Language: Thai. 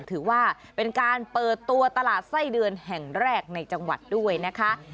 ถือว่าเป็นการเปิดตัวตลาดไส้เดือนแห่งแรกในจังหวัดด้วยนะคะ